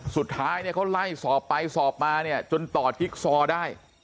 สุดท้ายเขาไล่สอบไปสอบมาจนตอดคลิกซอลได้